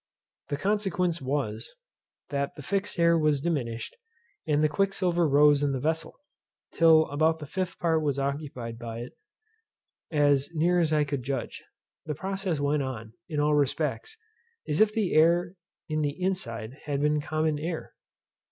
The consequence was, that the fixed air was diminished, and the quicksilver rose in the vessel, till about the fifth part was occupied by it; and, as near as I could judge, the process went on, in all respects, as if the air in the inside had been common air.